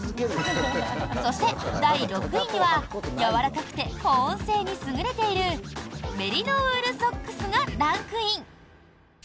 そして第６位にはやわらかくて保温性に優れているメリノウールソックスがランクイン。